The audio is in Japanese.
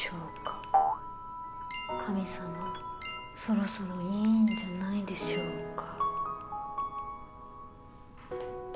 神様そろそろいいんじゃないでしょうか」。